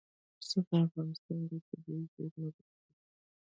پسه د افغانستان د طبیعي زیرمو برخه ده.